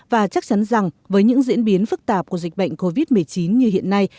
và chắc chắn rằng với những diễn biến phức tạp của dịch bệnh covid một mươi chín như hiện nay